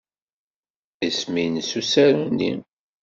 Isem-nnes usaru-nni?